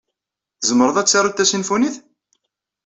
Tzemreḍ ad taruḍ tasimfunit?